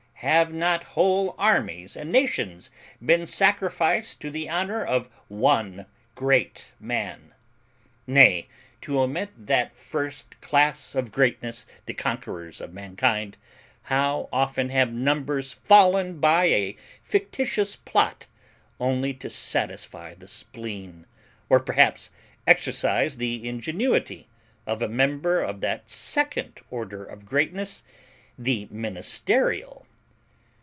Have not whole armies and nations been sacrificed to the honour of ONE GREAT MAN? Nay, to omit that first class of greatness, the conquerors of mankind, how often have numbers fallen by a fictitious plot only to satisfy the spleen, or perhaps exercise the ingenuity, of a member of that second order of greatness the ministerial!